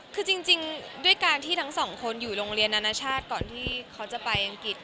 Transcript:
คือจริงด้วยการที่ทั้งสองคนอยู่โรงเรียนนานาชาติก่อนที่เขาจะไปอังกฤษ